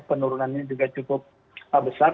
penurunannya juga cukup besar